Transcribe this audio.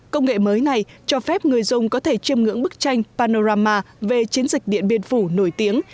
công nghệ mới này cho phép người dùng có thể chiêm ngưỡng bức tranh panorama về chiến dịch điện biên phủ nổi tiếng